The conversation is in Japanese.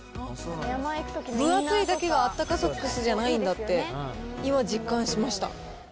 分厚いだけが、あったかソックスじゃないんだって、今、実感しました。